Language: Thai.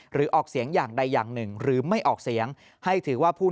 หรือออกเสียงอย่างใดอย่างหนึ่งหรือไม่ออกเสียงให้ถือว่าผู้